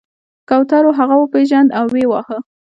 کوترو هغه وپیژند او ویې واهه.